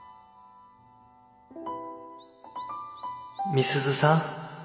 美鈴さん